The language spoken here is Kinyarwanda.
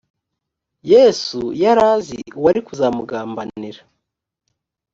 yezu yari azi uwari kuzamugambanira.